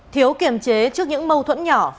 thiếu kiểm chế trước những mâu thuẫn nhỏ